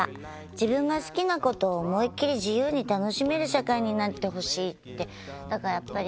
「自分が好きなことを思いっきり自由に楽しめる社会になってほしい」。